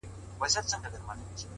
نیک چلند د دوستۍ بنسټ جوړوي’